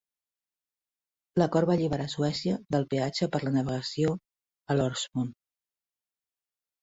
L'acord va alliberar Suècia del peatge per a la navegació a l'Øresund.